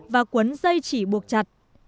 và cuốn dây chỉ buộc chặt